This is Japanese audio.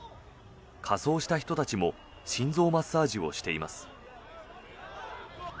仮装した人たちも心臓マッサージをしています。